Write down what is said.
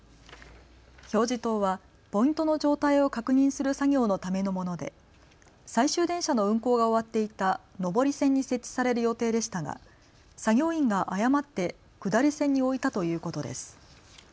表示灯はポイントの状態を確認する作業のためのもので最終電車の運行が終わっていた上り線に設置される予定でしたが作業員が誤って下り線に置いたということです。